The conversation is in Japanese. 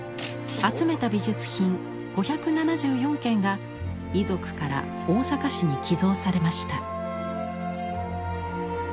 集めた美術品５７４件が遺族から大阪市に寄贈されました。